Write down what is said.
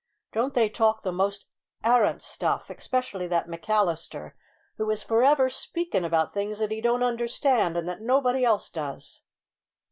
"Don't they talk the most arrant stuff? specially that McAllister, who is forever speakin' about things that he don't understand, and that nobody else does!"